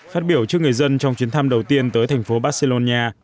khát biểu trước người dân trong chuyến thăm đầu tiên tới thành phố barcelona